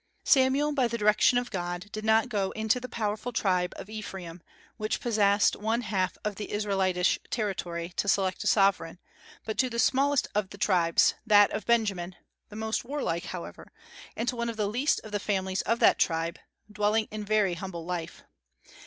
Samuel, by the direction of God, did not go into the powerful tribe of Ephraim, which possessed one half of the Israelitish territory, to select a sovereign, but to the smallest of the tribes, that of Benjamin, the most warlike, however, and to one of the least of the families of that tribe, dwelling in very humble life.